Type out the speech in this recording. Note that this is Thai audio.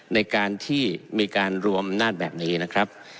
ในการที่มีการรวมอำนาจแบบนี้นะครับ